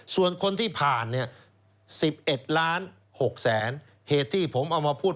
ส่วนคนที่ผ่าน๑๑๖๐๐๐๐๐เหตุที่ผมเอามาพูด